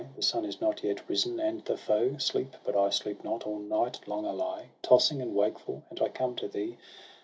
The sun is not yet risen, and the foe Sleep; but I sleep not; all night long I lie Tossing and wakeful, and I come to thee.